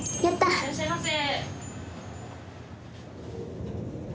・いらっしゃいませ。